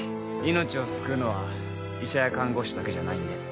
命を救うのは医者や看護師だけじゃないんで